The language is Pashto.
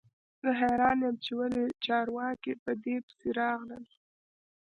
زه حیران یم چې ولې چارواکي په دې پسې راغلل